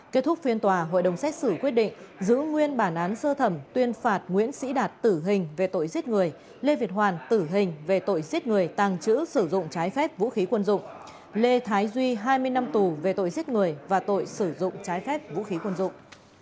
kết thúc phiên tòa hội đồng xét xử quyết định giữ nguyên bản án sơ thẩm tuyên phạt nguyễn sĩ đạt tử hình về tội giết người lê việt hoàn tử hình về tội giết người tàng trữ sử dụng trái phép vũ khí quân dụng lê thái duy hai mươi năm tù về tội giết người và tội sử dụng trái phép vũ khí quân dụng